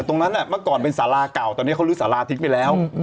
เมื่อก่อนเป็นสาราเก่าตอนนี้เขาลื้อสาราทิ้งไปแล้ว